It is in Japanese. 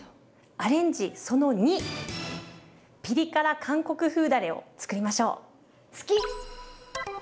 アレンジその２ピリ辛韓国風だれをつくりましょう。